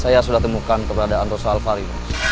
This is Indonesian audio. saya sudah temukan keberadaan rosa alvari